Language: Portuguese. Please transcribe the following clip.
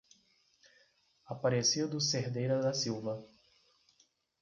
Aparecido Cerdeira da Silva